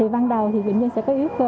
văn đầu bệnh nhân sẽ có yếu cơ